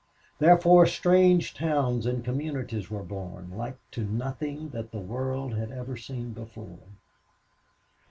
Therefore strange towns and communities were born, like to nothing that the world had ever seen before.